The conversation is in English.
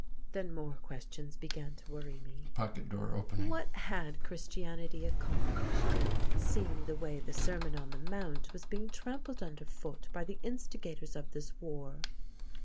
Then more questions began to worry me. What had Christianity accomplished, seeing the way the Sermon on the Mount was being trampled under foot by the instigators of this war?